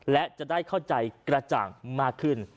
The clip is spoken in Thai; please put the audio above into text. และจะได้เข้าใจกระจ่างมากขึ้น